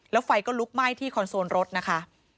แล้วไฟก็ลุกไหม้ที่คอนโซลรถนะคะ